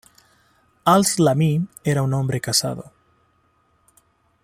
Al-Zlami era un hombre casado.